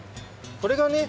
これがね